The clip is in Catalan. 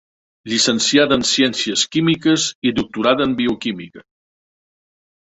Llicenciada en ciències químiques i doctorada en bioquímica.